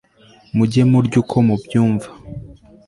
mujye murya uko mubyumva